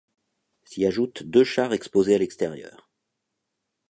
S'y ajoutent deux chars exposés à l'extérieur.